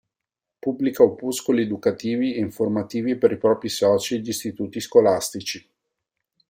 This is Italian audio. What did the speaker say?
Pubblica opuscoli educativi e informativi per i propri soci e gli istituti scolastici.